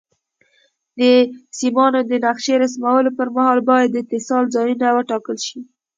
د سیمانو د نقشې رسمولو پر مهال باید د اتصال ځایونه وټاکل شي.